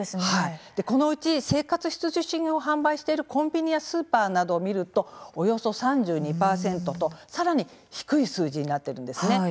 このうち生活必需品を販売しているコンビニやスーパーなどを見るとおよそ３２％とさらに低い数字になっているんです。